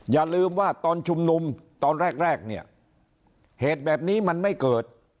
อย่าลืมว่าตอนชุมนุมตอนแรกเนี่ยเหตุแบบนี้มันไม่เกิด